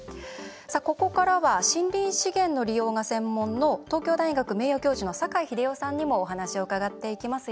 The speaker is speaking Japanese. ここからは森林資源の利用が専門の東京大学名誉教授の酒井秀夫さんにもお話を伺っていきます。